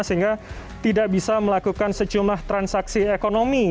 sehingga tidak bisa melakukan sejumlah transaksi ekonomi